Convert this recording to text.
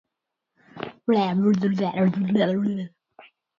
Nog hittar Maja Lisa alltid på något.